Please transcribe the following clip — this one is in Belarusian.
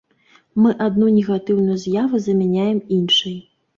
Мы адну негатыўную з'яву замяняем іншай.